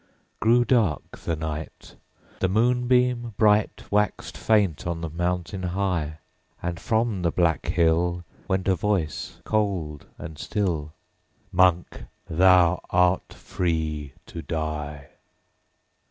9. Grew dark the night; The moonbeam bright Waxed faint on the mountain high; And, from the black hill, _50 Went a voice cold and still, 'Monk! thou art free to die.'